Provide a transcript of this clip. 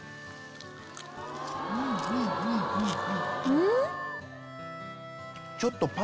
うん⁉